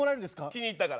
気に入ったから。